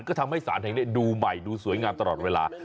ก็ทำให้สารแห่งนี้ดูใหม่ดูสวยงามตลอดเวลา